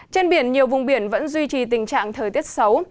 trên biển nhiều vùng biển vẫn duy trì tình trạng thời tiết xấu